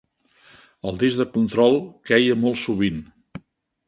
El disc de control queia molt sovint.